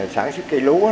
sản xuất cây lúa